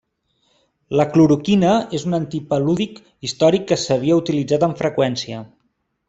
La cloroquina és un antipalúdic històric que s'havia utilitzat amb freqüència.